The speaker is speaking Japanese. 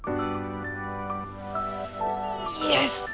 イエス！